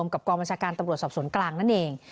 กับกองบัญชาการตำรวจสอบสวนกลางนั่นเอง